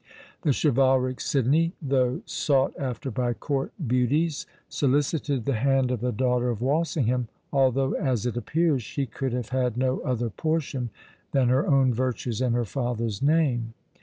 The chivalric Sidney, though sought after by court beauties, solicited the hand of the daughter of Walsingham, although, as it appears, she could have had no other portion than her own virtues and her father's name.